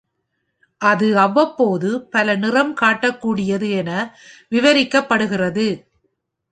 அது அவ்வப்போது பல நிறம் காட்டக்கூடியது என விவரிக்கப்படுகிறது.